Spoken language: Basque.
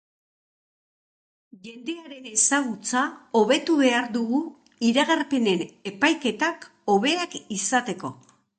Jendearen ezagutza hobetu behar dugu iragarpenen epaiketak hobeak izateko.